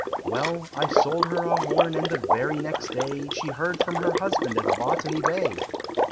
Well, I sold her a horn, and the very next day She heard from her husband at Botany Bay!